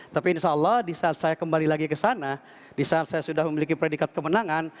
tapi insya allah di saat saya kembali lagi ke sana di saat saya sudah memiliki predikat kemenangan